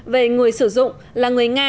về người sử dụng là người nga